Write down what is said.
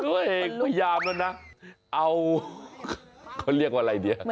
ตัวเองพยายามแล้วนะเอาเขาเรียกว่าอะไรดี